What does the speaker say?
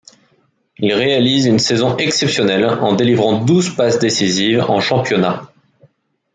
Il réalise une saison exceptionnel en délivrant douze passes décisives en championnat.